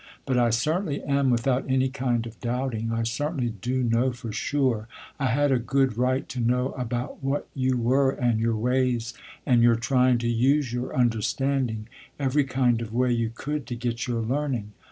But I certainly am without any kind of doubting, I certainly do know for sure, I had a good right to know about what you were and your ways and your trying to use your understanding, every kind of way you could to get your learning.